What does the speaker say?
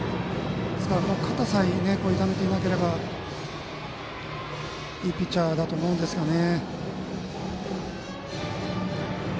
ですから肩さえ痛めていなければいいピッチャーだと思うんですね。